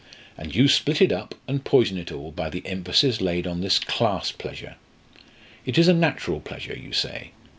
And you split it up and poison it all by the emphasis laid on this class pleasure. It is a natural pleasure, you say.